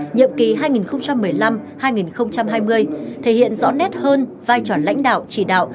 nhiệm kỳ hai nghìn một mươi năm hai nghìn hai mươi thể hiện rõ nét hơn vai trò lãnh đạo chỉ đạo